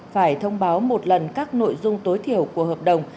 phải thông báo một lần các nội dung tối thiểu của hợp đồng